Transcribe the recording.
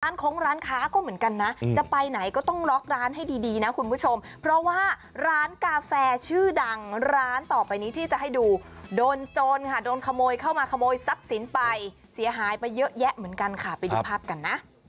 คงร้านค้าก็เหมือนกันนะจะไปไหนก็ต้องล็อกร้านให้ดีดีนะคุณผู้ชมเพราะว่าร้านกาแฟชื่อดังร้านต่อไปนี้ที่จะให้ดูโดนโจรค่ะโดนขโมยเข้ามาขโมยทรัพย์สินไปเสียหายไปเยอะแยะเหมือนกันค่ะไปดูภาพกันนะ